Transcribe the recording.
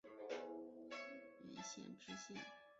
官婺源县知县。